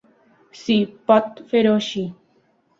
Sí, pot fer-ho així.